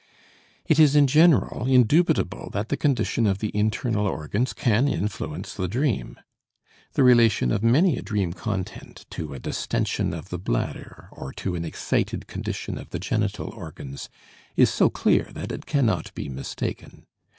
It is in general indubitable that the condition of the internal organs can influence the dream. The relation of many a dream content to a distention of the bladder or to an excited condition of the genital organs, is so clear that it cannot be mistaken.